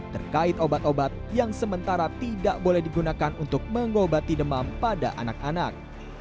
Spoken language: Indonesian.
terkait obat obat yang sementara tidak boleh digunakan untuk mengobati demam pada anak anak